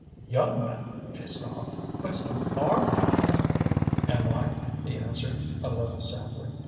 "Young men!" she scoffed. "But you are young." "Am I?" he answered, a little sadly.